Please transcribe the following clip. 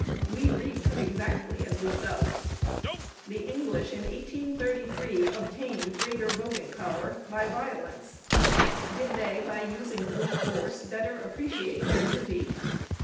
We reap exactly as we sow. The English in 1833 obtained greater voting power by violence. Did they, by using brute force, better appreciate their duty?